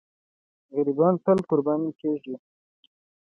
غریبان تل قرباني کېږي.